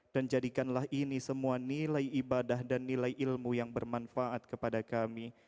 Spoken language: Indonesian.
dan jadikanlah ini semua nilai ibadah dan nilai ilmu yang bermanfaat kepada kami